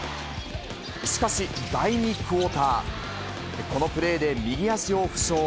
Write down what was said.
しかし、第２クオーター、このプレーで右足を負傷。